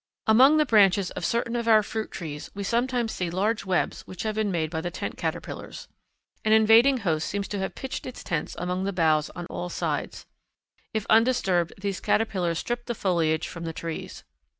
Among the branches of certain of our fruit trees we sometimes see large webs which have been made by the tent caterpillars. An invading host seems to have pitched its tents among the boughs on all sides. If undisturbed these caterpillars strip the foliage from the trees.